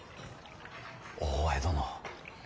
大江殿。